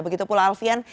begitu pula alfian